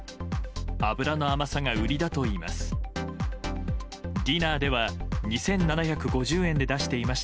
脂の甘さが売りだといいます。